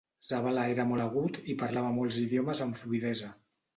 Zavala era molt agut i parlava molts idiomes amb fluïdesa.